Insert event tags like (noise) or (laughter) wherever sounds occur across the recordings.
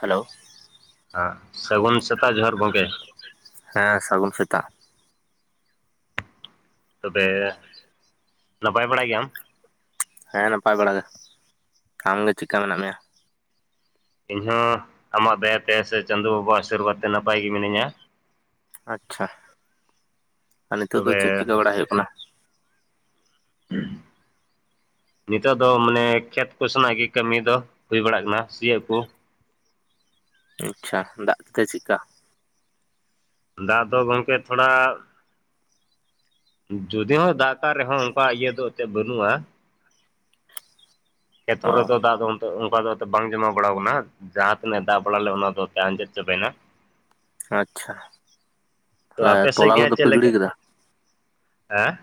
Hello ᱦᱮᱸ ᱥᱟᱹᱜᱩᱱ ᱥᱮᱛᱟᱜ ᱡᱚᱦᱟᱨ ᱜᱚᱝᱠᱮ ᱦᱮᱸ ᱥᱟᱹᱜᱩᱱ ᱥᱮᱛᱟᱜ ᱛᱚᱵᱮ ᱱᱟᱯᱟᱭ ᱵᱟᱲᱟ ᱜᱮᱭᱟᱢ ᱦᱮᱸ ᱱᱟᱯᱟᱭ ᱵᱟᱲᱟ ᱜᱮ ᱟᱢ ᱜᱮ ᱪᱮᱫᱠᱟ ᱢᱮᱱᱟᱜ ᱢᱮᱭᱟ ᱤᱧᱦᱚᱸ ᱟᱢᱟᱜ ᱫᱟᱭᱟᱛᱮ ᱥᱮ ᱪᱟᱸᱫᱚ ᱵᱟᱵᱟ ᱟ ᱟᱥᱤᱨᱵᱟᱫᱽ ᱛᱮ ᱱᱟᱯᱟᱭ ᱜᱮ ᱢᱤᱱᱟᱹᱧᱟ ᱟᱪᱪᱷᱟ ᱟ ᱱᱤᱛᱚᱜ ᱫᱚ ᱪᱮᱫ ᱛᱚᱵᱮ ᱪᱤᱠᱟᱹ ᱵᱟᱲᱟᱭ ᱦᱩᱭᱩᱜ ᱠᱟᱱᱟ (inaudible) ᱱᱤᱛᱚᱜ ᱫᱚ ᱢᱟᱱᱮ ᱠᱷᱮᱛ ᱠᱚᱥᱮᱱᱟᱜ ᱜᱮ ᱠᱟᱹᱢᱤ ᱫᱚ ᱦᱩᱭ ᱵᱟᱲᱟᱜ ᱠᱟᱱᱟ ᱥᱤᱭᱳᱜ ᱠᱚ ᱟᱪᱪᱷᱟ ᱫᱟᱜ ᱠᱮᱫᱟᱭ ᱪᱮᱫᱠᱟ ᱫᱟᱜ ᱫᱚ ᱜᱚᱝᱠᱮ ᱛᱷᱚᱲᱟ ᱡᱩᱫᱤ ᱦᱚᱸ ᱫᱟᱜ ᱠᱟᱫ ᱨᱮᱦᱚᱸ ᱚᱱᱠᱟ ᱤᱭᱟᱹ ᱫᱚ ᱮᱛᱮ ᱵᱟᱹᱱᱩᱜᱼᱟ ᱠᱷᱮᱛ ᱦᱳᱲᱳ ᱚ ᱠᱚ ᱫᱟᱜ ᱫᱚᱢ ᱚᱱᱠᱟ ᱫᱚ ᱮᱱᱛᱮ ᱵᱟᱝ ᱡᱚᱢᱟ ᱵᱟᱲᱟ ᱠᱟᱱᱟ ᱡᱟᱦᱟᱸ ᱛᱤᱱᱟᱹᱜ ᱫᱟᱜ ᱵᱟᱲᱟ ᱞᱮ ᱚᱱᱟ ᱫᱚ ᱟᱸᱡᱮᱫ ᱪᱟᱵᱟᱭᱱᱟ ᱟᱪᱪᱷᱟ ᱛᱚ ᱚᱱᱮ ᱟᱯᱮ ᱛᱚᱞᱟ ᱥᱮᱫ ᱜᱮ ᱠᱚᱫᱚ ᱦᱟᱸᱜ ᱪᱮᱫ ᱯᱮ ᱜᱤᱲᱤ ᱞᱮᱠᱟ ᱠᱮᱫᱟ ᱦᱮᱸ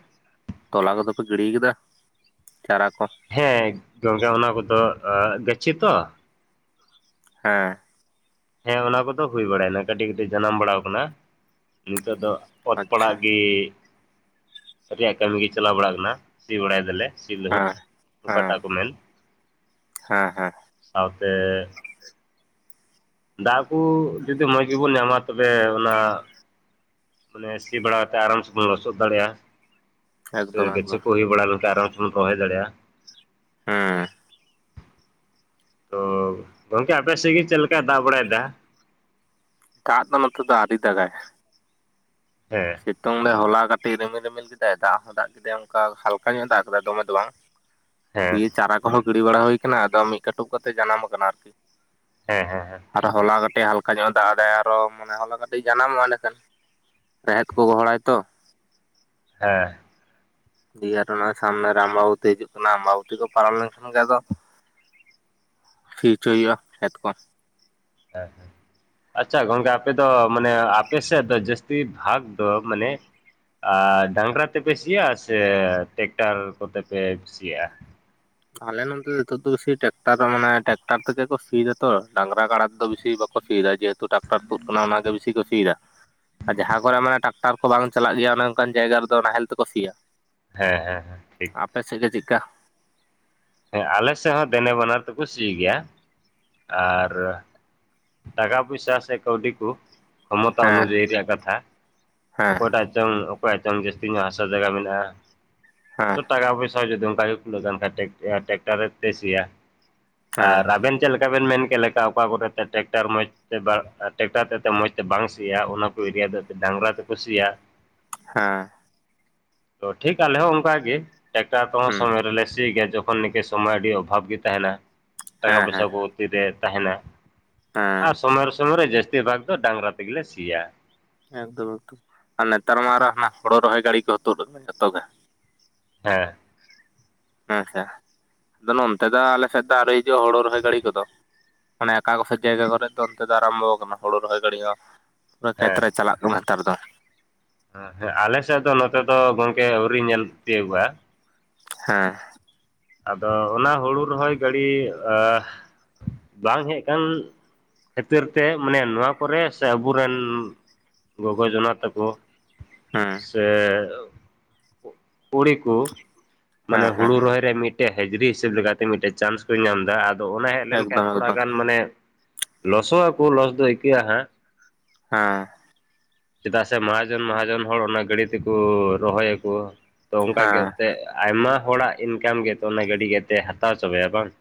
ᱛᱚᱞᱟ ᱠᱚᱫᱚ ᱯᱮ ᱜᱤᱲᱤ ᱠᱟᱫᱟ ᱪᱟᱨᱟ ᱠᱚ ᱦᱮᱸ ᱜᱚᱝᱠᱮ ᱚᱱᱟ ᱠᱚᱫᱚ ᱜᱟᱹᱪᱷᱤ ᱛᱚ ᱦᱮᱸ᱾ ᱦᱮᱸ, ᱚᱱᱟ ᱠᱚᱫᱚ ᱦᱩᱭ ᱵᱟᱲᱟᱭᱱᱟ ᱠᱟᱹᱴᱤᱡ ᱠᱟᱹᱴᱤᱡ ᱡᱟᱱᱟᱢ ᱵᱟᱲᱟ ᱠᱟᱱᱟ ᱾ ᱱᱤᱛᱚᱜ ᱫᱚ ᱚᱛ ᱯᱟᱲᱟᱜ ᱟᱪᱪᱷᱟ ᱜᱮ ᱨᱮᱭᱟᱜ ᱠᱟᱹᱢᱤ ᱜᱮ ᱪᱟᱞᱟᱣ ᱵᱟᱲᱟᱜ ᱠᱟᱱᱟ, ᱥᱤ ᱵᱟᱲᱟᱭ ᱫᱟᱞᱮ ᱾ ᱥᱤ ᱞᱟᱹᱦᱩᱫ ᱦᱮᱸ ᱦᱮᱸ ᱚᱠᱟᱴᱟᱜ ᱠᱚ ᱢᱮᱱ ᱦᱮᱸ ᱦᱮᱸ ᱾ ᱥᱟᱶᱛᱮ ᱫᱟᱜ ᱠᱚ ᱡᱩᱫᱤ ᱢᱚᱡᱽ ᱜᱮᱵᱚᱱ ᱧᱟᱢᱟ ᱛᱚᱵᱮ ᱚᱱᱟ ᱢᱟᱱᱮ ᱥᱤ ᱵᱟᱲᱟ ᱠᱟᱛᱮ ᱟᱨᱟᱢ ᱥᱮᱵᱚᱱ ᱞᱚᱥᱚᱫ ᱫᱟᱲᱮᱭᱟᱜᱼᱟ ᱾ ᱥᱮ ᱮᱠᱫᱚᱢ ᱜᱟᱪᱷᱤ ᱮᱠᱫᱚᱢ ᱠᱚ ᱦᱩᱭ ᱵᱟᱲᱟ ᱞᱮᱱ ᱠᱷᱟᱱ ᱟᱨᱟᱢ ᱥᱮ ᱵᱚᱱ ᱨᱚᱦᱚᱣ ᱫᱟᱲᱮᱭᱟᱜᱼᱟ ᱾ ᱦᱮᱸ ᱾ ᱛᱚ ᱜᱚᱝᱠᱮ ᱟᱯᱮ ᱥᱮᱫ ᱜᱮ ᱪᱮᱫ ᱞᱮᱠᱟᱭ ᱫᱟᱜ ᱵᱟᱲᱟᱭᱫᱟ? ᱫᱟᱜ ᱫᱚ ᱱᱚᱛᱮ ᱫᱚ ᱟᱹᱣᱨᱤ ᱫᱟᱜᱟᱭ ᱾ ᱦᱮᱸ ᱾ ᱥᱤᱛᱩᱝ ᱞᱮ ᱦᱚᱞᱟ ᱠᱟᱴᱤᱡ ᱨᱤᱢᱤᱞ ᱨᱤᱢᱤᱞ ᱠᱮᱫᱟᱭ, ᱫᱟᱜ ᱦᱚᱸ ᱫᱟᱜ ᱠᱮᱫᱟᱭ ᱚᱱᱠᱟ ᱦᱟᱞᱠᱟ ᱧᱚᱜ ᱫᱟᱜ ᱠᱮᱫᱟᱭ ᱫᱚᱢᱮ ᱫᱚ ᱵᱟᱝ ᱾ ᱦᱮᱸ ᱫᱤᱭᱮ ᱪᱟᱨᱟ ᱠᱚᱦᱚᱸ ᱜᱤᱲᱤ ᱵᱟᱲᱟ ᱦᱩᱭ ᱠᱟᱱᱟ, ᱟᱫᱚ ᱢᱤᱫ ᱠᱟᱹᱴᱩᱵ ᱠᱟᱛᱮ ᱡᱟᱱᱟᱢ ᱠᱟᱱᱟ ᱟᱨᱠᱤ ᱾ ᱦᱮᱸ ᱦᱮᱸ ᱦᱮᱸ᱾ ᱟᱨ ᱦᱚᱞᱟ ᱠᱟᱹᱴᱤᱡ ᱦᱟᱞᱠᱟ ᱧᱚᱜ ᱫᱟᱜ ᱟᱫᱟᱭ, ᱟᱨᱚ ᱢᱟᱱᱮ ᱛᱚᱞᱟ ᱠᱟᱹᱴᱤᱡ ᱡᱟᱱᱟᱢᱚᱜᱼᱟ ᱮᱸᱰᱮ ᱠᱷᱟᱱ ᱾ ᱨᱮᱦᱮᱫ ᱠᱚ ᱜᱚᱦᱚᱲᱟᱭ ᱛᱚ ᱾ ᱦᱮᱸ ᱾ ᱫᱤᱭᱮ ᱚᱱᱟ ᱥᱟᱢᱱᱮ ᱨᱮ ᱟᱢᱵᱟᱵᱚᱛᱤ ᱦᱤᱡᱩᱜ ᱠᱟᱱᱟ, ᱟᱢᱵᱟᱵᱚᱛᱤ ᱠᱚ ᱯᱟᱨᱚᱢ ᱞᱮᱱᱠᱷᱟᱱ ᱜᱮ ᱟᱫᱚ ᱥᱤᱭ ᱦᱚᱪᱚᱦᱩᱭᱩᱜᱼᱟ ᱠᱷᱮᱛ ᱠᱚ ᱾ (inaudible) ᱦᱮᱸ ᱦᱮᱸ᱾ ᱟᱪᱪᱷᱟ ᱜᱚᱝᱠᱮ, ᱟᱯᱮ ᱫᱚ ᱢᱟᱱᱮ ᱟᱯᱮ ᱥᱮᱫ ᱫᱚ ᱡᱟᱹᱥᱛᱤ ᱵᱷᱟᱜᱽ ᱫᱚ ᱢᱟᱱᱮᱼᱼ ᱟᱨ ᱰᱟᱝᱨᱟ ᱛᱮᱯᱮ ᱥᱤᱭᱟ ᱥᱮ ᱴᱮᱠᱴᱟᱨ ᱠᱚᱛᱮ ᱯᱮ ᱥᱤᱭᱟᱼᱟ? ᱟᱞᱮ ᱱᱚᱱᱛᱮ ᱫᱚ ᱱᱤᱛᱚᱜ ᱫᱚ ᱵᱮᱥᱤ ᱴᱮᱠᱴᱟᱨ ᱢᱟᱱᱮ ᱴᱮᱠᱴᱟᱨ ᱛᱮᱜᱮ ᱠᱚ ᱥᱤᱭ ᱫᱟ ᱛᱚ, ᱰᱟᱝᱨᱟ ᱠᱟᱲᱟ ᱛᱮᱫᱚ ᱵᱤᱥᱤ ᱵᱟᱼᱼ ᱥᱤᱭᱟ ᱡᱮᱦᱮᱛᱩ ᱴᱟᱠᱴᱟᱨ ᱛᱩᱫ ᱟᱠᱟᱱᱟ ᱚᱱᱟ ᱜᱮ ᱵᱤᱥᱤ ᱥᱤᱭ ᱫᱟ ᱾ ᱟᱨ ᱡᱟᱦᱟᱸ ᱠᱚᱨᱮ ᱢᱟᱱᱮ ᱴᱨᱟᱠᱴᱟᱨ ᱠᱚ ᱵᱟᱝ ᱪᱟᱞᱟᱜ ᱜᱮᱭᱟ ᱚᱱᱮ ᱚᱱᱠᱟᱱ ᱡᱟᱭᱜᱟ ᱨᱮ ᱫᱚ ᱱᱟᱦᱮᱞ ᱛᱮ ᱠᱚ ᱥᱤᱭᱟ ᱾ ᱦᱮᱸ ᱦᱮᱸ ᱦᱮᱸ ᱾ ᱟᱯᱮ ᱥᱮᱫ ᱜᱮ ᱪᱮᱫᱠᱟ? ᱦᱮᱸ ᱟᱞᱮ ᱥᱮᱫ ᱦᱚᱸ ᱫᱮᱱᱮ ᱵᱟᱱᱟᱨ ᱛᱮᱠᱚ ᱥᱤ ᱜᱮᱭᱟ ᱾ ᱟᱨ ᱴᱟᱠᱟ ᱯᱩᱭᱥᱟᱹ ᱥᱮ ᱠᱟᱹᱣᱰᱤ ᱠᱩ ᱠᱷᱚᱢᱚᱛᱟ ᱦᱮᱸ ᱚᱱᱩᱡᱟᱭᱤ ᱨᱮᱭᱟᱜ ᱠᱟᱛᱷᱟ ᱦᱮᱸ ᱚᱠᱚᱭᱴᱟᱜᱼᱼ ᱪᱚᱝ ᱚᱠᱚᱭ ᱪᱚᱝ ᱡᱟᱹᱥᱛᱤ ᱧᱚᱜ ᱦᱟᱥᱟ ᱡᱟᱭᱜᱟ ᱢᱮᱱᱟᱜᱼᱟ, ᱦᱮᱸ ᱛᱚ ᱴᱟᱠᱟ ᱯᱚᱭᱥᱟᱹ ᱡᱩᱫᱤ ᱚᱱᱠᱟ ᱜᱮᱼᱼ ᱴᱮᱠᱴᱟᱨᱮ ᱛᱮ ᱥᱤᱭᱟ ᱦᱮᱸ ᱟᱨ ᱟᱵᱮᱱᱼᱼ ᱪᱮᱫ ᱞᱮᱠᱟ ᱵᱮᱱ ᱢᱮᱱ ᱠᱮᱫ ᱞᱮᱠᱟ ᱚᱠᱟ ᱠᱚᱨᱮᱛᱮ ᱴᱮᱠᱴᱟᱨ ᱢᱚᱡᱽ ᱴᱮᱠᱴᱟᱨ ᱛᱮ ᱢᱚᱸᱡᱽ ᱛᱮ ᱵᱟᱝ ᱥᱤᱭᱟ ᱚᱱᱟ ᱠᱚ ᱮᱨᱤᱭᱟ ᱫᱚ ᱰᱟᱝᱨᱟ ᱛᱮᱠᱚ ᱥᱤᱭᱟ ᱾ ᱦᱮᱸ ᱾ ᱴᱷᱤᱠ ᱟᱞᱮ ᱦᱚᱸ ᱚᱱᱠᱟ ᱜᱮ ᱴᱮᱠᱴᱟᱨ ᱠᱚᱦᱚᱸ ᱦᱮᱸ ᱥᱚᱢᱚᱭ ᱨᱮᱞᱮ ᱥᱤ ᱜᱮᱭᱟ, ᱡᱚᱠᱷᱚᱱ ᱛᱚᱠᱷᱚᱱ ᱱᱤᱠᱟᱹ ᱥᱚᱢᱚᱭ ᱟᱹᱰᱤ ᱚᱵᱷᱟᱵᱽ ᱜᱮ ᱛᱟᱦᱮᱱᱟ, ᱴᱟᱠᱟ ᱦᱮᱸ ᱯᱚᱭᱥᱟᱹ ᱦᱮᱸ ᱠᱚ ᱛᱤ ᱨᱮ ᱛᱟᱦᱮᱱᱟ ᱾ ᱦᱮᱸ ᱾ ᱥᱚᱢᱚᱭ ᱨᱮ ᱥᱚᱢᱚᱭ ᱨᱮ ᱡᱟᱹᱥᱛᱤ ᱵᱷᱟᱜᱽ ᱫᱚ ᱰᱟᱝᱨᱟ ᱛᱮ ᱜᱮᱞᱮ ᱥᱤᱭᱟ ᱾ ᱮᱠᱫᱚᱢ ᱮᱠᱫᱚᱢ ᱟᱨ ᱱᱮᱛᱟᱨ ᱢᱟ ᱟᱨᱚ ᱦᱟᱱᱟᱜ ᱦᱳᱲᱳ ᱨᱚᱦᱚᱭ ᱜᱟᱹᱲᱤ ᱠᱚᱦᱚᱸ ᱛᱩᱫ ᱟᱠᱟᱱᱟ ᱡᱚᱛᱚᱜ ᱜᱮ ᱾ ᱦᱮᱸ ᱾ ᱦᱮᱸ ᱥᱮ, ᱟᱫᱚ ᱱᱚᱱᱛᱮ ᱫᱚ ᱟᱞᱮ ᱥᱮᱫ ᱫᱚ ᱟᱹᱣᱨᱤ ᱦᱤᱡᱩᱜᱼᱟ ᱦᱩᱲᱩ ᱨᱚᱦᱚᱭ ᱜᱟᱹᱲᱤ ᱠᱚᱫᱚ ᱾ ᱢᱟᱱᱮ ᱚᱠᱟ ᱠᱚᱥᱮᱫ ᱡᱟᱭᱜᱟ ᱠᱚᱨᱮ ᱫᱚ ᱚᱱᱛᱮ ᱫᱚ ᱟᱨᱟᱢᱵᱚ ᱟᱠᱟᱱᱟ ᱦᱩᱲᱩ ᱨᱚᱦᱚᱭ ᱜᱟᱹᱲᱤ ᱦᱚᱸ ᱾ ᱯᱩᱨᱟᱹ ᱦᱮᱸ ᱠᱷᱮᱛᱨᱮ ᱪᱟᱞᱟᱜ ᱛᱟᱢᱟ ᱱᱮᱛᱟᱨ ᱫᱚ ᱾ ᱦᱮᱸ, ᱟᱞᱮ ᱥᱮᱫ ᱫᱚ ᱱᱚᱛᱮ ᱫᱚ ᱜᱚᱝᱠᱮ ᱟᱹᱣᱨᱤ ᱧᱮᱞ ᱛᱤᱭᱳᱜᱚᱜᱼᱟ ᱾ ᱦᱮᱸ ᱾ ᱟᱫᱚ ᱚᱱᱟ ᱦᱩᱲᱩ ᱨᱚᱦᱚᱭ ᱜᱟᱹᱲᱤ ᱵᱟᱝ ᱦᱮᱡ ᱟᱠᱟᱱᱼᱼ ᱠᱷᱟᱹᱤᱛᱤᱨ ᱛᱮ, ᱢᱟᱱᱮ ᱱᱚᱣᱟ ᱠᱚᱨᱮ ᱥᱮ ᱟᱵᱚ ᱨᱮᱱ ᱜᱚᱜᱚ ᱡᱚᱱᱟ ᱛᱟᱠᱚᱼᱼ ᱦᱮᱸ ᱥᱮ ᱠᱩᱲᱤ ᱠᱩ ᱾ ᱢᱟᱱᱮ ᱦᱮᱸ ᱦᱮᱸ ᱦᱩᱲᱩ ᱨᱚᱦᱚᱭ ᱨᱮ ᱢᱤᱫᱴᱮᱡ ᱦᱟᱹᱡᱽᱨᱤ ᱦᱤᱥᱟᱹᱵ ᱞᱮᱠᱟᱛᱮ ᱢᱤᱫᱴᱮᱡ ᱪᱟᱱᱥ ᱯᱮ ᱧᱟᱢ ᱮᱫᱟ ᱟ ᱼ ᱛᱚ ᱚᱱᱟ ᱦᱮᱡ ᱞᱮᱱᱠᱷᱟᱱ ᱮᱠᱫᱚᱢ ᱛᱷᱚᱲᱟ ᱮᱠᱫᱚᱢ ᱜᱟᱱ ᱢᱟᱱᱮ ᱞᱚᱥᱚᱼᱟᱠᱚ ᱞᱚᱥ ᱫᱚ ᱟᱹᱭᱠᱟᱹᱜᱼᱟ ᱦᱟᱸᱜ ᱾ ᱦᱟᱸ ᱪᱮᱫᱟᱜ ᱥᱮ ᱢᱟᱦᱟᱡᱚᱱ ᱢᱟᱦᱟᱡᱚᱱ ᱦᱚᱲ ᱚᱱᱟ ᱜᱟᱹᱰᱤ ᱛᱮᱠᱚ ᱨᱚᱦᱚᱭᱟᱠᱚ ᱾ ᱛᱚ ᱚᱱᱠᱟ ᱜᱮ ᱦᱮᱸ ᱛᱮ ᱟᱭᱢᱟ ᱦᱚᱲᱟᱜ ᱤᱱᱠᱟᱢ ᱜᱮᱛᱚ ᱚᱱᱟ ᱜᱟᱹᱰᱤ ᱜᱮᱛᱮ ᱦᱟᱛᱟᱣ ᱚᱪᱚᱢᱮᱭᱟᱭ ᱵᱟᱝ ᱾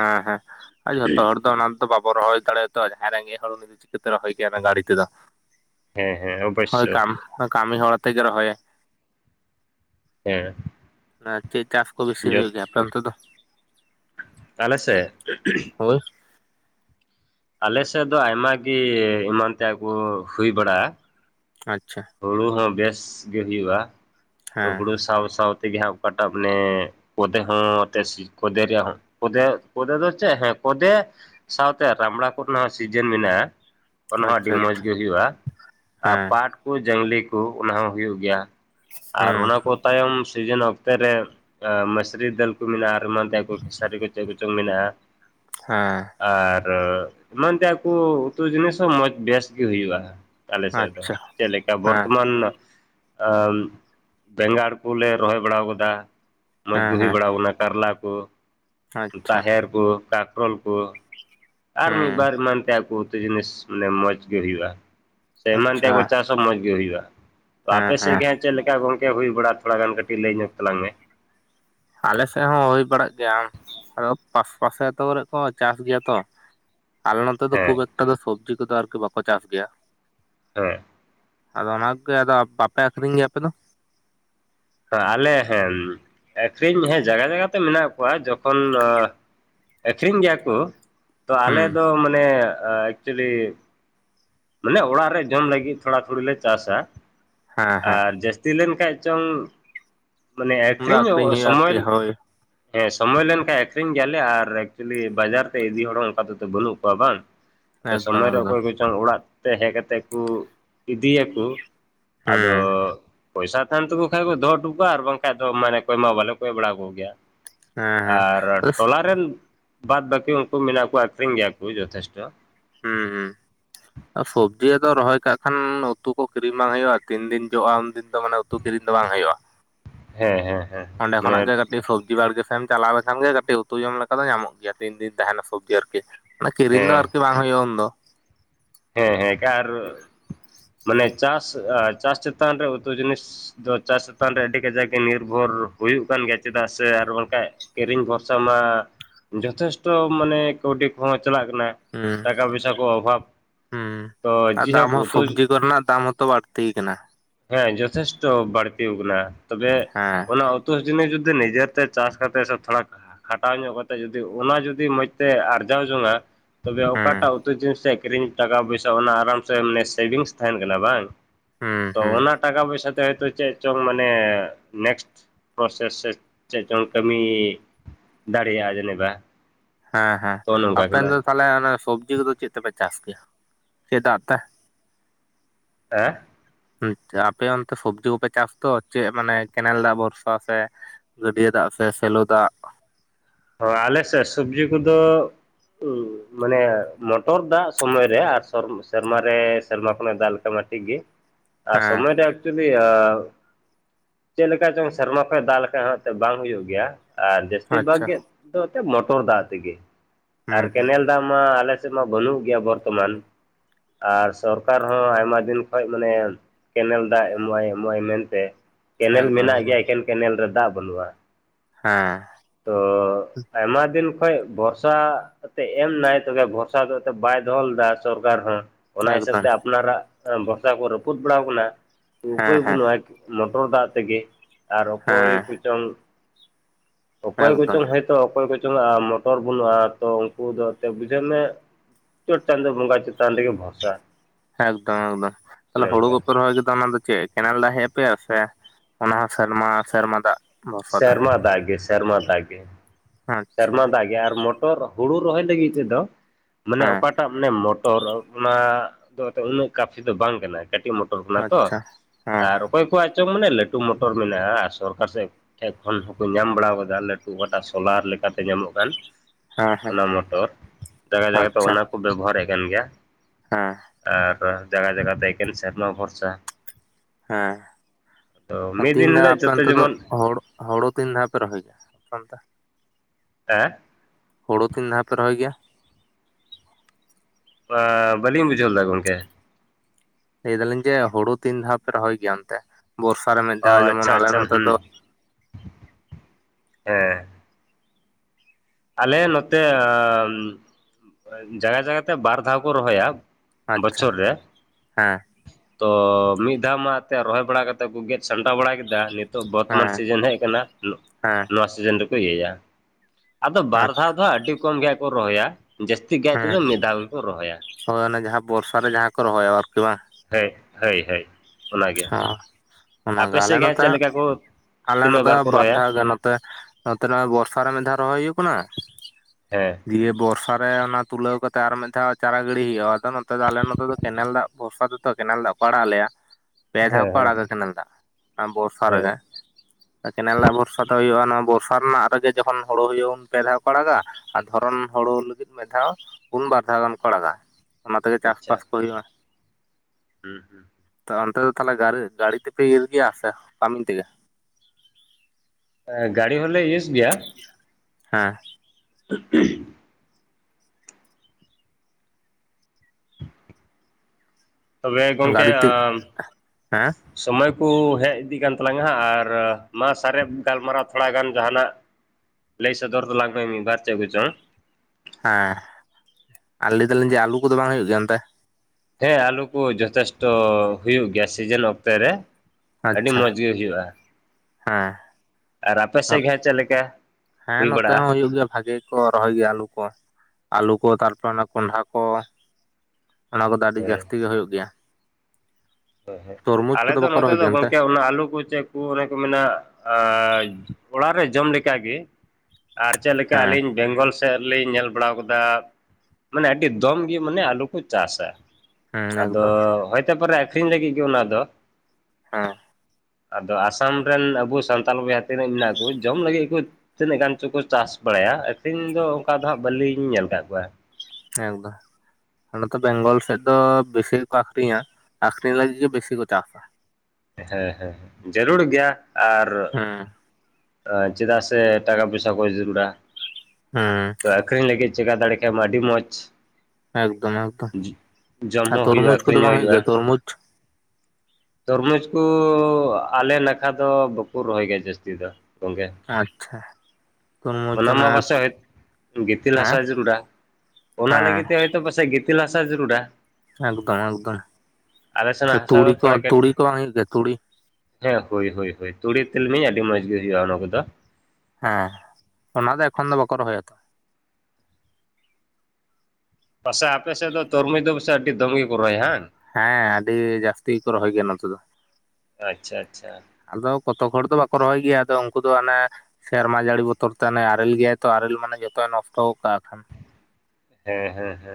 ᱦᱟᱸ ᱦᱟᱸ ᱟᱨ ᱡᱷᱚᱛᱚ ᱦᱚᱲ ᱫᱚ ᱚᱱᱟᱼᱼ ᱵᱟᱵᱚᱱ ᱨᱚᱦᱚᱭ ᱫᱟᱲᱮᱭᱟ ᱛᱚ ᱡᱟᱦᱟᱸᱭ ᱨᱮᱸᱜᱮᱡ ᱦᱚᱲ ᱩᱱᱤ ᱪᱤᱠᱟᱹᱛᱮ ᱨᱚᱦᱚᱭ ᱠᱮᱭᱟ ᱜᱟᱹᱲᱰᱤ ᱛᱚ᱾ ᱦᱮᱸ ᱦᱮᱸ ᱦᱳᱭ ᱚᱵᱚᱥᱥᱳ ᱠᱟᱢ ᱠᱟᱹᱢᱤ ᱦᱚᱲ ᱟᱛᱮ ᱜᱮ ᱨᱚᱦᱚᱭᱟ᱾ ᱦᱮᱸ ᱾ ᱦᱮᱸ ᱪᱮᱫ ᱪᱟᱥ ᱠᱚ ᱵᱮᱥᱤ ᱦᱩᱭᱩᱜ ᱜᱮᱭᱟ ᱟᱯᱮ ᱱᱚᱱᱛᱮ ᱫᱚ? ᱛᱟᱞᱮ ᱥᱮᱜᱼᱼ ᱦᱳᱭ᱾ ᱟᱞᱮ ᱥᱮᱫ ᱫᱚ ᱟᱭᱢᱟ ᱜᱮ ᱮᱢᱟᱱ ᱛᱮᱭᱟᱜ ᱠᱚ ᱦᱩᱭ ᱵᱟᱲᱟᱜᱼᱟ ᱾ ᱟᱪᱪᱷᱟ᱾ ᱦᱩᱲᱩ ᱦᱚᱸ ᱵᱮᱥ ᱜᱮ ᱦᱩᱭᱩᱜᱼᱟ, ᱛᱚ ᱦᱮᱸ ᱦᱩᱲᱩ ᱥᱟᱶᱼ ᱥᱟᱶ ᱛᱮᱜᱮ ᱦᱟᱸᱜ ᱚᱠᱟᱴᱟᱜ ᱢᱟᱱᱮ ᱠᱷᱚᱫᱮ ᱦᱚᱸ ᱛᱮᱥ ᱠᱷᱚᱫᱮ ᱨᱮᱭᱟᱜ ᱦᱚᱸ ᱠᱷᱚᱫᱮ, ᱠᱷᱚᱫᱮ ᱫᱚ ᱪᱮᱫ ᱦᱮᱸ ᱠᱷᱚᱫᱮ ᱥᱟᱶᱛᱮ ᱨᱟᱢᱲᱟ ᱠᱚᱨᱮᱱᱟᱜ ᱦᱚᱸ ᱥᱤᱡᱤᱱ ᱢᱮᱱᱟᱜᱼᱟ, ᱚᱱᱟ ᱦᱚᱸ ᱟᱹᱰᱤ ᱟᱪᱪᱷᱟ ᱢᱚᱡᱽ ᱜᱮ ᱦᱩᱭᱩᱜᱼᱟ ᱟᱨ ᱦᱮᱸ ᱯᱟᱴ ᱠᱚ ᱡᱟᱹᱝᱞᱤ ᱠᱚ ᱚᱱᱟ ᱦᱚᱸ ᱦᱩᱭᱩᱜ ᱜᱮᱭᱟ ᱟᱨ ᱦᱩᱸ ᱚᱱᱟ ᱯᱚ ᱛᱟᱭᱚᱢ ᱥᱤᱡᱤᱱ ᱚᱠᱛᱮ ᱨᱮ ᱢᱤᱥᱨᱤ ᱫᱟᱹᱞ ᱠᱚ ᱢᱮᱱᱟᱜᱼᱟ ᱟᱨ ᱮᱢᱟᱱ ᱛᱟᱭ ᱠᱚ (unintelligible) ᱡᱚᱝ ᱢᱮᱱᱟ ᱾ ᱦᱟ ᱾ ᱟᱨ ᱮᱢᱟᱱ ᱛᱮᱭᱟᱜ ᱠᱚ ᱩᱛᱩ ᱡᱤᱱᱤᱥ ᱦᱚᱸ ᱢᱚᱡᱽ ᱵᱮᱥᱜᱮ ᱦᱩᱭᱩᱜᱼᱟ ᱾ ᱟᱞᱮ ᱥᱮᱫ ᱫᱚ, ᱟᱪᱪᱷᱟ ᱪᱮᱫ ᱞᱮᱠᱟ ᱦᱮᱸ ᱵᱚᱨᱛᱚᱢᱟᱱ ᱟᱹᱢ, ᱵᱮᱸᱜᱟᱲ ᱠᱚᱞᱮ ᱨᱚᱦᱚᱭ ᱵᱟᱲᱟᱣ ᱠᱟᱫᱟ ᱾ ᱢᱚᱡᱽ ᱦᱮᱸ ᱜᱮ ᱦᱩᱭ ᱦᱮᱸ ᱵᱟᱲᱟᱣ ᱟᱠᱟᱱᱟ ᱠᱟᱨᱞᱟ ᱠᱚ, ᱟᱪᱪᱷᱟ ᱛᱟᱦᱮᱨ ᱠᱚ ᱠᱟᱠᱨᱚᱞ ᱠᱚ ᱾ ᱟᱨ ᱢᱤᱫ ᱦᱮᱸ ᱵᱟᱨ ᱮᱢᱟᱱ ᱛᱮᱭᱟᱜ ᱠᱚ ᱩᱛᱩ ᱡᱤᱱᱤᱥ ᱢᱟᱱᱮ ᱢᱚᱡᱽ ᱜᱮ ᱦᱩᱭᱩᱜᱼᱟ ᱥᱮ ᱮᱢᱟᱱ ᱛᱮᱭᱟᱜ ᱟᱪᱪᱷᱟ ᱠᱚ ᱪᱟᱥ ᱢᱚᱡᱽ ᱜᱮ ᱦᱩᱭᱩᱜᱼᱟ, ᱛᱚ ᱦᱮᱸ ᱟᱯᱮ ᱥᱮᱫ ᱦᱮᱸ ᱜᱮ ᱦᱟᱸᱜ ᱪᱮᱫ ᱞᱮᱠᱟ ᱜᱚᱢᱠᱮ ᱦᱩᱭ ᱵᱟᱲᱟ ᱛᱷᱚᱲᱟ ᱜᱟᱱ ᱠᱟᱹᱴᱤᱡ ᱞᱟᱹᱭ ᱧᱚᱜ ᱛᱟᱞᱟᱝ ᱢᱮ ᱾ ᱟᱞᱮ ᱥᱮᱫ ᱦᱚᱸ ᱦᱩᱭ ᱵᱟᱲᱟᱜ ᱜᱮᱭᱟ ᱟᱫᱚ, ᱯᱟᱥᱯᱟᱥᱮ ᱟᱹᱛᱩ ᱠᱚᱨᱮ ᱠᱚ ᱪᱟᱥ ᱜᱮᱭᱟ ᱛᱚ ᱾ ᱟᱞᱮ ᱱᱚᱛᱮ ᱫᱚ ᱦᱮᱸ ᱠᱷᱩᱵ ᱮᱠᱴᱟ ᱫᱚ ᱥᱚᱵᱡᱤ ᱠᱚᱫᱚ ᱟᱨᱠᱤ ᱵᱟᱠᱚ ᱪᱟᱥ ᱜᱮᱭᱟ ᱾ ᱦᱮᱸ ᱾ ᱟᱫᱚ ᱚᱱᱟ ᱠᱚᱜᱮ ᱟᱫᱚ ᱵᱟᱯᱮ ᱟᱹᱠᱷᱨᱤᱧ ᱜᱮᱭᱟ ᱟᱯᱮ ᱫᱚ? ᱟ ᱟᱞᱮ ᱦᱮᱸ ᱟᱹᱠᱷᱨᱤᱧ ᱦᱮᱸ ᱡᱟᱭᱜᱟ ᱡᱟᱭᱜᱟ ᱾ ᱛᱮ ᱢᱮᱱᱟᱜ ᱠᱚᱣᱟ ᱡᱚᱠᱷᱚᱱ ᱟᱹᱠᱷᱨᱤᱧ ᱜᱮᱭᱟ ᱠᱚ ᱛᱚ ᱟᱞᱮ ᱦᱩᱸ ᱫᱚ ᱢᱟᱱᱮ ᱢᱟᱱᱮ ᱮᱠᱪᱩᱞᱤ ᱢᱟᱱᱮ ᱚᱲᱟᱜ ᱨᱮ ᱡᱚᱢ ᱞᱟᱹᱜᱤᱫ ᱛᱷᱚᱲᱟ ᱛᱷᱩᱲᱤ ᱞᱮ ᱪᱟᱥᱟ ᱦᱮᱸ ᱦᱮᱸ ᱟᱨ ᱡᱟᱹᱥ ᱛᱤ ᱞᱮᱱᱠᱷᱟᱡ ᱪᱚᱝ ᱢᱟᱱᱮ ᱩᱱᱫᱚ ᱟᱹᱠᱷᱨᱤᱧᱚᱜ ᱟᱠᱷᱨᱤᱧ ᱦᱩᱭᱩᱜᱼᱟ ᱥᱚᱢᱚᱭ ᱟᱨᱠᱤ ᱦᱳᱭ ᱦᱮᱸ ᱥᱚᱢᱚᱭ ᱞᱮᱱᱠᱷᱟᱡ ᱟᱹᱠᱷᱨᱤᱧ ᱜᱮᱭᱟᱞᱮ ᱟᱨ ᱮᱠᱪᱩᱭᱮᱞᱤ ᱵᱟᱡᱟᱨ ᱛᱮ ᱤᱫᱤ ᱦᱚᱲ ᱦᱚᱸ ᱚᱱᱠᱟ ᱫᱚᱛᱚ ᱵᱟᱹᱱᱩᱜ ᱠᱚᱣᱟ ᱵᱟᱝ ᱾ (inaudible) ᱟᱫᱚ ᱥᱚᱢᱚᱭ ᱨᱮ ᱮᱠᱫᱚᱢ ᱦᱩᱸ ᱚᱠᱚᱭ ᱠᱚᱪᱚᱝ ᱚᱲᱟᱜ ᱛᱮ ᱦᱮᱡ ᱠᱟᱛᱮᱫ ᱠᱚ ᱤᱫᱤᱭᱟᱠᱚ ᱟᱫᱚ ᱯᱚᱭᱥᱟ ᱛᱟᱦᱮᱱ ᱛᱟᱠᱚ ᱠᱷᱟᱡ ᱠᱚ ᱫᱚᱦᱚ ᱦᱚᱴᱚ ᱠᱟᱜ ᱟᱨ ᱵᱟᱝᱠᱷᱟᱱ ᱫᱚ ᱢᱟᱱᱮ ᱠᱚᱭ ᱢᱟ ᱵᱟᱞᱮ ᱠᱚᱭ ᱵᱟᱲᱟ ᱠᱚᱜᱮᱭᱟ, ᱦᱮᱸ ᱦᱮᱸ ᱟᱨ ᱟᱫᱚ ᱴᱚᱞᱟ ᱨᱮᱱ ᱵᱟᱫ ᱵᱟᱹᱠᱤ ᱩᱱᱠᱩ ᱢᱮᱱᱟᱜ ᱠᱚᱣᱟ ᱟᱠᱷᱨᱤᱧ ᱜᱮᱭᱟ ᱠᱚ ᱡᱚᱛᱷᱮᱥᱴᱚ ᱾ ᱦᱢ ᱦᱢ ᱾ ᱟ ᱥᱚᱵᱽᱡᱤ ᱟᱫᱚ ᱨᱚᱦᱚᱭ ᱠᱟᱜ ᱠᱷᱟᱱ ᱩᱛᱩ ᱠᱚ ᱠᱤᱨᱤᱧ ᱵᱟᱝ ᱦᱩᱭᱩᱜᱼᱟ ᱛᱤᱱ ᱫᱤᱱ ᱡᱚᱜᱼᱟ ᱩᱱᱫᱤᱱ ᱫᱚ ᱢᱟᱱᱮ ᱩᱛᱩ ᱠᱤᱨᱤᱧ ᱫᱚ ᱵᱟᱝ ᱦᱩᱭᱩᱜᱼᱟ ᱾ ᱦᱮᱸ ᱦᱮᱸ ᱦᱮᱸ ᱾ ᱚᱸᱰᱮ ᱠᱷᱚᱱᱟᱜ ᱡᱮ ᱥᱚᱵᱡᱤ ᱵᱟᱲᱜᱮ ᱥᱮᱫ ᱮᱢ ᱪᱟᱞᱟᱣ ᱞᱮᱱ ᱠᱷᱟᱱ ᱜᱮ ᱠᱟᱹᱴᱤᱡ ᱩᱛᱩ ᱡᱚᱢ ᱞᱮᱠᱟ ᱫᱚ ᱧᱟᱢᱚᱜ ᱜᱮᱭᱟ ᱛᱤᱱ ᱫᱤᱱ ᱛᱟᱦᱮᱱᱟ ᱥᱚᱵᱽᱡᱤ ᱟᱨᱠᱤ ᱚᱱᱟ ᱠᱤᱨᱤᱧ ᱫᱚ ᱦᱮᱸ ᱟᱨᱠᱤ ᱵᱟᱝ ᱦᱩᱭᱩᱜᱼᱟ ᱩᱱ ᱫᱚ ᱾ ᱦᱮᱸ ᱦᱮᱸ ᱟᱨ ᱢᱟᱱᱮ ᱪᱟᱥ ᱪᱟᱥ ᱪᱮᱛᱟᱱ ᱨᱮ ᱩᱛᱩ ᱡᱤᱱᱤᱥ ᱫᱚ ᱪᱟᱥ ᱪᱮᱛᱟᱱ ᱨᱮ ᱟᱹᱰᱤ ᱜᱟᱡᱟᱠ ᱜᱮ ᱱᱤᱨᱵᱷᱚᱨ ᱦᱩᱭᱩᱜ ᱠᱟᱱ ᱜᱮᱭᱟ ᱪᱮᱫᱟᱜ ᱥᱮ ᱟᱨ ᱵᱟᱝᱠᱟᱡ ᱠᱤᱨᱤᱧ ᱵᱷᱚᱨᱥᱟ ᱢᱟ ᱡᱚᱛᱷᱮᱥᱴᱚ ᱢᱟᱱᱮ ᱠᱟᱹᱣᱰᱤ ᱠᱚᱦᱚᱸ ᱪᱟᱞᱟᱜ ᱠᱟᱱᱟ ᱦᱩᱸ ᱴᱟᱠᱟ ᱯᱚᱭᱥᱟ ᱠᱚ ᱚᱵᱷᱟᱵᱽ ᱾ ᱦᱩᱸ, ᱟᱨ ᱫᱟᱢ ᱦᱚᱸ ᱥᱚᱵᱽᱡᱤ ᱠᱚᱨᱮᱱᱟᱜ ᱫᱟᱢ ᱦᱚᱸᱛᱚ ᱵᱟᱲᱛᱤ ᱟᱠᱟᱱᱟ ᱾ ᱦᱮᱸ ᱡᱚᱛᱷᱮᱥᱴᱚ ᱵᱟᱹᱲᱛᱤ ᱟᱠᱟᱱᱟ ᱛᱚᱵᱮ, ᱦᱮᱸ ᱾ ᱚᱱᱟ ᱩᱛᱩ ᱡᱤᱱᱤᱥ ᱡᱩᱫᱤ ᱱᱤᱡᱮᱛᱮ ᱪᱟᱥ ᱠᱟᱛᱮ ᱥᱮ ᱛᱷᱚᱲᱟ ᱠᱷᱟᱴᱟᱣ ᱧᱚᱜ ᱠᱟᱛᱮ ᱡᱩᱫᱤ ᱚᱱᱟ ᱡᱩᱫᱤ ᱢᱚᱡᱽ ᱛᱮ ᱟᱨᱡᱟᱣ ᱡᱚᱝᱟ ᱛᱚᱵᱮ ᱦᱩᱸ ᱚᱠᱟᱴᱟᱜ ᱩᱛᱩ ᱡᱤᱱᱤᱥ ᱥᱮ ᱠᱤᱨᱤᱧ ᱴᱟᱠᱟ ᱯᱚᱭᱥᱟ ᱚᱱᱟ ᱟᱨᱟᱢ ᱥᱮ ᱢᱟᱱᱮ ᱥᱮᱵᱷᱤᱝ ᱛᱟᱦᱮᱱ ᱠᱟᱱᱟ ᱵᱟᱝ ᱦᱩᱸ ᱛᱚ ᱦᱩᱸ ᱚᱱᱟ ᱴᱟᱠᱟ ᱯᱚᱭᱥᱟ ᱛᱮ ᱦᱚᱭᱛᱚ ᱪᱮᱫ ᱪᱚᱝ ᱢᱟᱱᱮ ᱱᱮᱠᱥᱴ (unintelligible) ᱪᱮᱫ ᱪᱚᱝ ᱠᱟᱢᱤ ᱫᱟᱲᱮᱭᱟᱜᱼᱟ᱾ ᱦᱮᱸ ᱦᱮᱸ ᱛᱚ ᱱᱚᱝᱠᱟ ᱟᱯᱮ ᱠᱟᱱᱟ ᱫᱚ ᱛᱟᱦᱚᱞᱮ ᱥᱚᱵᱽᱡᱤ ᱠᱚ ᱫᱚ ᱪᱮᱫ ᱛᱮᱯᱮ ᱪᱟᱥ ᱠᱮᱭᱟ ᱪᱮᱫ ᱫᱟᱜ ᱛᱮ ᱦᱮᱸ ᱟᱯᱮ ᱚᱱᱛᱮ ᱥᱚᱵᱡᱤ ᱠᱚᱯᱮ ᱪᱟᱥ ᱛᱚ ᱪᱮᱫ ᱢᱟᱱᱮ ᱠᱮᱱᱮᱞ ᱫᱟᱜ ᱵᱷᱚᱨᱥᱟ ᱥᱮ ᱜᱟᱹᱰᱭᱟᱹ ᱫᱟᱜ ᱥᱮ ᱥᱮᱞᱚ ᱫᱟᱜ ᱦᱮ ᱟᱞᱮᱥᱮᱫ ᱥᱚᱵᱡᱤ ᱠᱚᱫᱚ ᱢᱟᱱᱮ ᱢᱚᱴᱚᱨ ᱫᱟᱜ ᱥᱚᱢᱚᱭ ᱨᱮ ᱟᱨ ᱥᱮᱨᱢᱟᱨᱮ ᱥᱮᱨᱢᱟ ᱠᱷᱚᱱᱮ ᱫᱟᱜ ᱞᱮᱠᱟ ᱢᱟ ᱴᱤᱡ ᱜᱮ (inaudible) ᱟᱨ ᱥᱚᱢᱚᱭ ᱨᱮ (unintelligible) ᱪᱮᱫ ᱞᱮᱠᱟ ᱪᱚᱝ ᱥᱮᱨᱢᱟ ᱠᱷᱚᱱ ᱫᱟᱜ ᱞᱮᱠᱷᱟᱱᱡ ᱦᱚᱸ ᱮᱱᱛᱮᱫ ᱵᱟᱝ ᱦᱩᱭᱩᱜ ᱜᱮᱭᱟ᱾ ᱟᱨ ᱡᱟᱹᱥᱛᱤ ᱵᱷᱟᱜᱽ ᱟᱪᱪᱷᱟ ᱜᱮ ᱫᱚ ᱮᱱᱛᱮᱫ ᱢᱚᱴᱚᱨ ᱫᱟᱜ ᱛᱮᱜᱮ ᱟᱨ ᱦᱩᱸ ᱦᱩᱸ ᱠᱮᱱᱮᱞ (unintelligible) ᱢᱟ ᱟᱞᱮ ᱥᱮᱫ ᱢᱟ ᱵᱟᱱᱩᱜ ᱜᱮᱭᱟ ᱵᱚᱨᱛᱚᱢᱟᱱ᱾ ᱟᱨ ᱥᱚᱨᱠᱟᱨ ᱦᱚᱸ ᱟᱭᱢᱟ ᱫᱤᱱ ᱠᱷᱚᱡ ᱢᱟᱱᱮ ᱠᱮᱱᱮᱞ ᱫᱟᱜ ᱮᱢᱚᱜ ᱟᱭ ᱮᱢᱚᱜ ᱟᱭ ᱢᱮᱱᱛᱮ ᱠᱮᱱᱮᱞ ᱮᱠᱫᱚᱢ ᱢᱮᱱᱟᱜ ᱮᱠᱫᱚᱢ ᱜᱮᱭᱟ ᱮᱠᱮᱱ ᱠᱮᱱᱮᱞ ᱨᱮ ᱫᱟᱜ ᱵᱟᱱᱩᱜᱼᱟ᱾ ᱦᱮᱸ ᱛᱚ ᱟᱭᱢᱟ ᱫᱤᱱ ᱠᱷᱚᱡ ᱵᱷᱚᱨᱥᱟ ᱮᱢ ᱱᱟᱭ ᱛᱚᱵᱮ ᱵᱷᱚᱨᱥᱟ ᱫᱚ ᱥᱮ ᱵᱟᱭ ᱫᱚᱦᱚ ᱫᱟ ᱥᱚᱨᱠᱟᱨ ᱦᱚᱸ ᱚᱱᱟ ᱦᱤᱥᱟᱹᱵ ᱮᱠᱫᱚᱢ ᱛᱮ ᱟᱯᱱᱟᱨᱟᱜ ᱵᱷᱚᱨᱥᱟ ᱠᱚ ᱨᱟᱹᱯᱩᱫ ᱵᱟᱲᱟᱣ ᱠᱟᱱᱟ ᱦᱮᱸ ᱩᱯᱟᱹᱭ ᱦᱮᱸ ᱵᱟᱹᱱᱩᱜᱼᱟ᱾ ᱢᱚᱴᱚᱨ ᱫᱟᱜ ᱛᱮᱜᱮ ᱟᱨ ᱚᱠᱚᱭ ᱦᱮᱸ ᱠᱚᱪᱚᱝ ᱚᱠᱚᱭ ᱮᱠᱫᱚᱢ ᱠᱚᱪᱚᱝ ᱦᱚᱭᱛᱳ ᱚᱠᱚᱭ ᱠᱚ ᱪᱚᱝᱼᱟ ᱢᱚᱴᱚᱨ ᱵᱟᱹᱱᱩᱜᱼᱟ ᱛᱚ ᱩᱱᱠᱩ ᱫᱚ ᱮᱱᱛᱮᱫ ᱵᱩᱡᱷᱟᱹᱜᱣ ᱢᱮ ᱪᱚᱴ ᱪᱟᱸᱫᱚ ᱵᱚᱸᱜᱟ ᱪᱮᱛᱟᱱ ᱨᱮᱜᱮ ᱵᱷᱨᱥᱟ ᱮᱠᱫᱚᱢ ᱮᱠᱫᱚᱢ ᱛᱟᱦᱚᱞᱮ ᱦᱩᱲᱩ ᱠᱚᱯᱮ ᱨᱚᱦᱚᱭ ᱠᱮᱫᱟ ᱚᱱᱟ ᱫᱚ ᱪᱮᱫ ᱠᱮᱱᱮᱞ ᱫᱟᱜ ᱦᱮᱡ ᱟᱯᱮᱭᱟ ᱥᱮ ᱚᱱᱟ ᱦᱚᱸ ᱥᱮᱨᱢᱟ ᱥᱮᱨᱢᱟ ᱫᱟᱜ ᱵᱷᱚᱨᱥᱟ ᱛᱮ ᱥᱮᱨᱢᱟ ᱫᱟᱜ ᱜᱮ ᱥᱮᱨᱢᱟ ᱫᱟᱜ ᱜᱮ ᱟᱪᱪᱷᱟ ᱥᱮᱨᱢᱟ ᱫᱟᱜ ᱜᱮ ᱟᱨ ᱢᱚᱴᱚᱨ ᱦᱩᱲᱩ ᱨᱚᱦᱚᱭ ᱞᱟᱹᱜᱤᱫ ᱛᱮᱫᱚ ᱢᱟᱱᱮ ᱦᱮᱸ ᱚᱠᱟᱴᱟᱜ ᱢᱟᱱᱮ ᱢᱚᱴᱚᱨ ᱚᱱᱟ ᱫᱚ ᱩᱱᱟᱹᱜ ᱠᱟᱯᱷᱤ ᱫᱚ ᱵᱟᱝ ᱠᱟᱱᱟ ᱠᱟᱹᱴᱤᱡ ᱢᱚᱴᱚᱨ᱾ ᱠᱟᱱᱟ ᱛᱚ ᱟᱪᱪᱷᱟ ᱦᱮᱸ ᱟᱨ ᱚᱠᱚᱭ ᱠᱚᱣᱟᱜ ᱪᱚᱝ ᱢᱟᱱᱮ ᱞᱟᱹᱴᱩ ᱢᱚᱴᱚᱨ ᱢᱮᱱᱟᱜᱼᱟ ᱟᱨ ᱥᱚᱨᱠᱟᱨ ᱥᱮᱫ ᱴᱷᱮᱡ ᱠᱷᱚᱱ ᱦᱚᱸᱠᱚ ᱧᱟᱢ ᱵᱟᱲᱟ ᱟᱠᱟᱫᱟ ᱞᱟᱹᱴᱩ ᱜᱴᱟ ᱥᱚᱞᱟᱨ ᱞᱮᱠᱟᱛᱮ ᱧᱟᱢᱚᱜ ᱠᱟᱱ᱾ ᱦᱮᱸ ᱦᱮᱸ ᱚᱱᱟ ᱢᱚᱴᱚᱨ ᱡᱟᱭᱜᱟ ᱡᱟᱭᱜᱟ ᱛᱚ ᱟᱪᱪᱷᱟ ᱚᱱᱟ ᱵᱮᱵᱚᱦᱟᱨᱮᱫ ᱠᱟᱱ ᱜᱮᱭᱟ ᱦᱮᱸ ᱟᱨ ᱡᱟᱭᱜᱟ ᱡᱟᱭᱜᱟ ᱛᱮ ᱮᱠᱷᱮᱱ ᱥᱮᱨᱢᱟ ᱵᱷᱚᱨᱥᱟ᱾ ᱛᱚ ᱦᱮᱸ ᱢᱤᱫ ᱛᱤᱱ ᱫᱤᱱ ᱫᱷᱟᱣ ᱦᱤᱞᱳᱜ ᱟᱯᱮ ᱡᱚᱛᱚ ᱚᱱᱛᱮ ᱫᱚ ᱡᱮᱢᱚᱱ ᱦᱩᱲᱩ ᱦᱩᱲᱩ ᱛᱤᱱ ᱫᱷᱟᱣ ᱯᱮ ᱨᱚᱦᱚᱭ-ᱟ᱾ ᱦᱮᱸ ᱦᱩᱲᱩ ᱛᱤᱱ ᱫᱷᱟᱭ ᱯᱮ ᱨᱚᱦᱚᱭ ᱜᱮᱭᱟ᱾ ᱟᱸ ᱵᱟᱞᱤᱧ ᱵᱩᱡᱷᱟᱹᱣ ᱞᱮᱫᱟ ᱜᱚᱝᱠᱮ ᱞᱟᱹᱭ ᱫᱟᱹᱞᱤᱧ ᱡᱮ ᱦᱩᱲᱩ ᱛᱤᱱ ᱫᱷᱟᱣ ᱯᱮ ᱨᱚᱦᱚᱭ ᱜᱮᱭᱟ᱾ ᱮᱚᱱᱛᱮ ᱵᱚᱨᱥᱟ ᱨᱮ ᱢᱤᱫ ᱚ ᱫᱷᱟᱣ ᱟᱪᱪᱷᱟ ᱡᱮᱢᱚᱱ ᱟᱞᱮ ᱟᱪᱪᱷᱟ ᱱᱚᱱᱚᱛᱮ ᱦᱩᱸ ᱫᱚ ᱦᱮᱸ ᱟᱞᱮ ᱱᱚᱛᱮ ᱡᱟᱭᱜᱟ ᱡᱟᱭᱜᱟ ᱛᱮ ᱵᱟᱨ ᱫᱷᱟᱣ ᱠᱚ ᱨᱚᱦᱚᱭᱟ᱾ ᱟᱪᱪᱷᱟ ᱵᱚᱪᱷᱚᱨ ᱨᱮ ᱦᱮᱸ ᱛᱚ ᱢᱤᱫ ᱫᱷᱟᱣ ᱢᱟ ᱮᱱᱛᱮᱫ ᱨᱚᱦᱚᱭ ᱵᱟᱲᱟ ᱠᱟᱛᱮ ᱠᱚ ᱜᱮᱫ ᱥᱟᱢᱴᱟᱣ ᱵᱟᱲᱟ ᱠᱮᱫᱟ ᱱᱤᱛᱚᱜ ᱱᱤᱛᱚᱜ ᱵᱚᱨᱛᱚᱢᱟᱱ ᱦᱮᱸ ᱥᱤᱡᱮᱱ ᱦᱮᱡ ᱟᱠᱟᱱᱟ ᱦᱮᱸ ᱱᱚᱣᱟ ᱥᱤᱡᱮᱱ ᱨᱮᱠᱚ ᱤᱭᱟᱹᱭᱟ᱾ ᱟᱫᱚ ᱵᱟᱨ ᱦᱮᱸ ᱫᱷᱟᱣ ᱫᱚ ᱟᱹᱰᱤ ᱠᱚᱢ ᱜᱮᱟᱱ ᱠᱚ ᱨᱚᱦᱚᱭᱟ ᱡᱟᱹᱥᱛᱤ ᱜᱟᱱ ᱛᱮᱫᱚ ᱦᱮᱸ ᱢᱤᱫ ᱫᱷᱟᱣ ᱜᱮᱠᱚ ᱨᱚᱦᱚᱭᱟ᱾ ᱦᱳᱭ ᱚᱱᱮ ᱡᱟᱦᱟᱸ ᱵᱚᱨᱥᱟ ᱨᱮ ᱡᱟᱦᱟᱸ ᱠᱚ ᱨᱚᱦᱚᱭᱟ ᱟᱨᱠᱤ ᱵᱟᱝ? ᱦᱮᱸ ᱦᱳᱭ ᱦᱳᱭ ᱚᱱᱟᱜᱮ᱾ ᱚ, ᱚᱱᱟ ᱟᱯᱮ ᱜᱮ ᱟᱞᱮ ᱥᱮᱫ ᱦᱟᱸᱜ ᱱᱚᱛᱮ, ᱪᱮᱫ ᱞᱮᱠᱟ ᱠᱚ ᱟᱞᱮ ᱛᱤᱱᱟᱹᱜ ᱱᱚᱛᱮ ᱦᱚᱸ ᱠᱚ ᱵᱟᱨ ᱨᱚᱦᱚᱭᱟ ᱫᱷᱟᱣ ᱜᱮ ᱱᱚᱛᱮ ᱱᱚᱛᱮ ᱱᱚᱜᱼᱚᱭ ᱵᱚᱨᱥᱟ ᱨᱮ ᱢᱤᱫ ᱫᱷᱟᱣ ᱨᱚᱦᱚᱭ ᱦᱩᱭᱩᱜ ᱠᱟᱱᱟ, ᱦᱮᱸ᱾ ᱫᱤᱭᱮ ᱵᱚᱨᱥᱟ ᱨᱮ ᱚᱱᱟ ᱛᱩᱞᱟᱹᱣ ᱠᱟᱛᱮ ᱟᱨᱚ ᱢᱤᱫ ᱫᱷᱟᱣ ᱪᱟᱨᱟ ᱜᱤᱲᱤ ᱦᱩᱭᱩᱜᱼᱟ, ᱟᱫᱚ ᱱᱚᱛᱮ ᱫᱚ ᱟᱞᱮ ᱱᱚᱛᱮ ᱫᱚ ᱠᱮᱱᱮᱞ ᱫᱟᱜ ᱵᱷᱚᱨᱥᱟ ᱛᱮᱫᱚ ᱠᱮᱱᱮᱞ ᱫᱟᱜ ᱠᱚ ᱟᱲᱟᱜ ᱟᱞᱮᱭᱟ, ᱯᱮ ᱫᱷᱟᱣ ᱦᱮᱸ ᱠᱚ ᱦᱮᱸ ᱟᱲᱟᱜᱟ ᱠᱮᱱᱮᱞ ᱫᱟᱜ, ᱚᱱᱟ ᱵᱚᱨᱥᱟ ᱦᱮᱸ ᱨᱮᱜᱮ᱾ ᱠᱮᱱᱮᱞ ᱨᱮᱱᱟᱜ ᱵᱷᱚᱨᱥᱟ ᱫᱚ ᱦᱩᱭᱩᱜᱼᱟ ᱱᱚᱣᱟ ᱵᱚᱨᱥᱟ ᱨᱮᱱᱟᱜ ᱨᱮᱜᱮ ᱡᱚᱠᱷᱚᱱ ᱦᱳᱲᱳ ᱦᱩᱭᱩᱜ ᱩᱱ ᱯᱮ ᱫᱷᱟᱣ ᱠᱚ ᱟᱲᱟᱜᱟ, ᱟᱨ ᱫᱷᱚᱨᱚᱱ ᱦᱩᱲᱩ ᱞᱟᱹᱜᱤᱫ ᱢᱤᱫ ᱫᱷᱟᱣ ᱯᱩᱱ, ᱵᱟᱨ ᱫᱷᱟᱣ ᱜᱟᱱ ᱠᱚ ᱟᱲᱟᱜᱟ᱾ ᱚᱱᱟ ᱛᱮᱜᱮ ᱟᱪᱪᱷᱟ ᱪᱟᱥᱼᱵᱟᱥ ᱠᱚ ᱦᱩᱭᱩᱜᱼᱟ᱾ ᱦᱩᱸ ᱦᱩᱸ᱾ ᱛᱚ ᱚᱱᱛᱮ ᱫᱚ ᱛᱟᱦᱚᱞᱮ ᱜᱟᱨᱤ, ᱜᱟᱹᱲᱤ ᱛᱮᱯᱮ ᱤᱨ ᱜᱮᱭᱟ ᱥᱮ ᱠᱟᱹᱢᱤ ᱛᱮᱜᱮ? ᱮ ᱜᱟᱹᱰᱤ ᱦᱚᱸᱞᱮ ᱤᱭᱩᱥ ᱜᱮᱭᱟ, ᱦᱮᱸ᱾ (inaudible) ᱛᱚᱵᱮ ᱜᱚᱝᱠᱮ ᱜᱟᱹᱲᱤ ᱛᱮ ᱟᱸᱢ, ᱦᱮᱸ ᱥᱚᱢᱚᱭ ᱠᱩ ᱦᱮᱡ ᱤᱫᱤᱜ ᱠᱟᱱ ᱛᱟᱞᱟᱝ ᱦᱟᱸᱜ ᱟᱨ ᱢᱟ ᱥᱟᱨᱮᱡ ᱜᱟᱞᱢᱟᱨᱟᱣ ᱛᱷᱚᱲᱟ ᱜᱟᱱ ᱡᱟᱦᱟᱸᱱᱟᱜ ᱞᱟᱹᱭ ᱥᱚᱫᱚᱨ ᱛᱟᱞᱟᱝ ᱢᱮ ᱢᱤᱫ, ᱵᱟᱨ ᱪᱮᱫ ᱠᱚᱪᱚᱝ, ᱦᱮᱸ, ᱟᱨ ᱞᱟᱹᱭ ᱫᱟᱞᱤᱧ ᱡᱮ ᱟᱹᱞᱩ ᱠᱚᱫᱚ ᱵᱟᱝ ᱦᱩᱭᱩᱜ ᱜᱮᱭᱟ ᱚᱱᱛᱮ? ᱦᱮᱸ ᱟᱞᱩ ᱠᱚ ᱡᱚᱛᱷᱮᱥᱴᱚ ᱦᱩᱭᱩᱜ ᱜᱮᱭᱟ ᱥᱤᱡᱮᱱ ᱚᱠᱛᱮ ᱨᱮ, ᱟᱹᱰᱤ ᱟᱪᱪᱷᱟ, ᱢᱚᱸᱡᱽ ᱜᱮ ᱦᱩᱭᱩᱜᱼᱟ ᱦᱮᱸ᱾ ᱟᱨ ᱟᱯᱮ ᱥᱮᱫ ᱜᱮ ᱦᱟᱸᱜ ᱪᱮᱫ ᱞᱮᱠᱟ? ᱦᱮᱸ ᱦᱩᱭ ᱱᱚᱛᱮ ᱵᱟᱲᱟᱜᱼᱟ ᱦᱚᱸ ᱦᱩᱭᱩᱜ ᱜᱮᱭᱟ ᱵᱷᱟᱜᱤ ᱠᱚ ᱨᱚᱦᱚᱭ ᱜᱮᱭᱟ ᱟᱞᱩ ᱠᱚ, ᱟᱹᱞᱩ ᱠᱚ ᱛᱟᱨᱯᱚᱨᱮ ᱚᱱᱟ ᱠᱚᱸᱰᱷᱟ ᱠᱚ, ᱚᱱᱟ ᱠᱚᱫᱚ ᱟᱹᱰᱤ ᱦᱮᱸ ᱡᱟᱹᱥᱛᱤ ᱜᱮ ᱦᱩᱭᱩᱜ ᱜᱮᱭᱟ᱾ ᱦᱮᱸ ᱦᱮᱸ, ᱛᱚᱨᱢᱩᱡᱽ ᱟᱞᱮ ᱠᱚᱫᱚ ᱫᱚ ᱵᱟᱠᱚ ᱱᱚᱛᱮ ᱨᱚᱦᱚᱭ ᱫᱚ ᱜᱮᱭᱟ ᱚᱱᱛᱮ ᱜᱚᱝᱠᱮ ᱚᱱᱟ ᱟᱞᱩ ᱠᱚ ᱪᱮᱫ ᱠᱚ ᱚᱱᱮ ᱠᱚ ᱢᱮᱱᱟ ᱟᱸᱻ ᱚᱲᱟᱜ ᱨᱮ ᱡᱚᱢ ᱞᱮᱠᱟᱜᱮ, ᱟᱨ ᱪᱮᱫ ᱞᱮᱠᱟ ᱦᱮᱸ ᱟᱹᱞᱤᱧ ᱵᱮᱝᱜᱚᱞ ᱥᱮᱫ ᱞᱤᱧ ᱧᱮᱞ ᱵᱟᱲᱟᱣ ᱠᱟᱫᱟ, ᱢᱟᱱᱮ ᱟᱹᱰᱤ ᱫᱚᱢ ᱜᱮ ᱢᱟᱱᱮ ᱟᱞᱩ ᱠᱚ ᱪᱟᱥᱟ᱾ ᱦᱮᱸ ᱟᱫᱚ ᱮᱠᱫᱚᱢ ᱦᱚᱭᱛᱮ ᱯᱚᱨᱮ ᱟᱠᱷᱨᱤᱧ ᱞᱟᱹᱜᱤᱫ ᱜᱮ ᱚᱱᱟ ᱫᱚ᱾ ᱦᱮᱸ᱾ ᱟᱫᱚ ᱟᱥᱟᱢ ᱨᱮᱱ ᱟᱵᱚ ᱥᱟᱱᱛᱟᱞ ᱵᱚᱭᱦᱟ ᱛᱤᱱᱟᱹᱜ ᱢᱮᱱᱟᱜ ᱠᱚ ᱡᱚᱢ ᱞᱟᱹᱜᱤᱫ ᱜᱮᱠᱚ ᱛᱤᱱᱟᱹᱜ ᱜᱟᱱ ᱪᱚᱠᱚ ᱪᱟᱥ ᱵᱟᱲᱟᱭᱟ, ᱟᱠᱷᱨᱤᱧ ᱫᱚ ᱚᱱᱠᱟ ᱫᱚ ᱦᱟᱸᱜ ᱵᱟᱹᱞᱤᱧ ᱧᱮᱞ ᱠᱟᱫ ᱠᱚᱣᱟ᱾ ᱦᱮᱸ ᱛᱚ᱾ ᱱᱚᱛᱮ ᱵᱮᱝᱜᱚᱞ ᱥᱮᱫ ᱫᱚ ᱵᱮᱥᱤ ᱜᱮᱠᱚ ᱟᱠᱷᱨᱤᱧᱟ, ᱟᱠᱷᱨᱤᱧ ᱞᱟᱹᱜᱤᱫ ᱜᱮ ᱵᱮᱥᱤ ᱠᱚ ᱪᱟᱥᱟᱲ᱾ ᱦᱮᱸ ᱦᱮᱸ ᱦᱮᱸ᱾ ᱡᱟᱹᱨᱩᱲ ᱜᱮᱭᱟ ᱟᱨ ᱦᱮᱸ᱾ ᱟᱺ ᱪᱮᱫᱟᱜ ᱥᱮ ᱴᱟᱠᱟ ᱯᱚᱭᱥᱟ ᱠᱚ ᱡᱟᱹᱨᱩᱲᱟ᱾ ᱦᱩᱸ᱾ ᱛᱚ ᱟᱹᱠᱷᱨᱤᱧ ᱞᱟᱹᱜᱤᱫ ᱪᱮᱠᱟ ᱫᱟᱲᱮ ᱠᱮᱭᱟᱢ ᱟᱹᱰᱤ ᱢᱚᱡᱽ, ᱮᱠᱫᱚᱢ ᱮᱠᱫᱚᱢ ᱡᱚ ᱡᱚᱢ ᱦᱚᱸ ᱦᱩᱭᱩᱜᱼᱟ ᱟᱹᱠᱷᱨᱤᱧ ᱦᱚᱸ ᱦᱩᱭᱩᱜᱼᱟ᱾ ᱠᱩᱢᱩᱴᱷ ᱛᱚᱨᱢᱩᱡᱽ ᱠᱚᱻ ᱟᱞᱮ ᱱᱟᱠᱷᱟ ᱫᱚ ᱵᱟᱠᱚ ᱨᱚᱦᱚᱭ ᱜᱮᱭᱟ ᱡᱟᱹᱥᱛᱤ ᱫᱚ ᱜᱚᱝᱜᱮ᱾ ᱟᱪᱪᱷᱟ ᱾ ᱚᱱᱟ ᱢᱟ ᱯᱟᱥᱮᱡ ᱦᱚᱭ, ᱜᱤᱛᱤᱞ ᱦᱮᱸ ᱦᱟᱥᱟᱭ ᱡᱟᱹᱨᱩᱲᱟ᱾ ᱚᱱᱟ ᱞᱟᱹᱜᱤᱫ ᱛᱮ ᱦᱮᱸ ᱦᱚᱸᱜ ᱛᱮ ᱯᱟᱥᱮᱡ ᱜᱤᱛᱤᱞ ᱦᱟᱥᱟ ᱡᱟᱨᱩᱲᱟ, ᱮᱠᱫᱚᱢ ᱮᱠᱫᱚᱢ ᱟᱞᱮ ᱥᱮᱱᱟᱜ ᱦᱟᱥᱟ ᱫᱚ ᱛᱩᱲᱤ ᱠᱚ ᱛᱷᱚᱲᱟ ᱠᱟᱹᱴ ᱛᱩᱲᱤ ᱠᱚ ᱵᱟᱝ ᱦᱩᱭᱩᱜ ᱜᱮᱭᱟ ᱛᱩᱲᱤ᱾ ᱦᱮᱸ ᱦᱳᱭ ᱦᱳᱭ ᱦᱳᱭ ᱛᱩᱲᱤ ᱛᱤᱞᱢᱤᱧ ᱟᱹᱰᱤ ᱢᱚᱸᱡᱽ ᱜᱮ ᱦᱩᱭᱩᱜᱼᱟ ᱚᱱᱟ ᱠᱚᱫᱚ᱾ ᱦᱮᱸ ᱚᱱᱟ ᱫᱚ ᱮᱠᱷᱚᱱ ᱫᱚ ᱵᱟᱠᱚ ᱨᱚᱦᱚᱭᱟᱛᱚ᱾ ᱯᱟᱥᱮ ᱟᱯᱮ ᱥᱮᱫ ᱫᱚ ᱛᱩᱨᱢᱩᱡ ᱫᱚ ᱯᱟᱥᱮ ᱟᱹᱰᱤ ᱫᱚᱢ ᱜᱮᱠᱚ ᱨᱚᱦᱚᱭᱟ ᱦᱟᱱ ᱦᱮᱸ ᱟᱹᱰᱤ ᱡᱟᱹᱥᱛᱤ ᱜᱮ ᱠᱚ ᱨᱚᱦᱚᱭ ᱜᱮᱭᱟ ᱱᱚᱛᱮ ᱫᱚ᱾ ᱟᱪᱪᱷᱟ ᱟᱪᱪᱷᱟ ᱟᱫᱚ ᱠᱚᱛᱚᱠ ᱦᱚᱲ ᱫᱚ ᱵᱟᱠᱚ ᱨᱚᱦᱚᱭ ᱜᱮᱭᱟ ᱟᱫᱚ ᱩᱱᱠᱩ ᱫᱚ ᱦᱟᱱᱮ ᱥᱮᱨᱢᱟ ᱡᱟᱹᱲᱤ ᱵᱚᱛᱚᱨ ᱛᱮ ᱟᱱᱮ ᱟᱨᱮᱞ ᱜᱮᱭᱟᱭ ᱛᱚ ᱟᱨᱮᱞ ᱢᱟᱱᱮ ᱡᱚᱛᱚᱭ ᱱᱚᱥᱴᱚ ᱜᱚᱜᱠᱟᱜ-ᱟ ᱠᱷᱟᱱ᱾ ᱦᱮᱸ ᱦᱮᱸ ᱦᱮᱸ